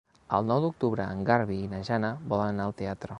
El nou d'octubre en Garbí i na Jana volen anar al teatre.